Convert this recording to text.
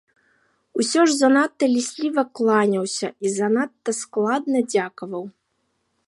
Усё ж занадта лісліва кланяўся і занадта складна дзякаваў.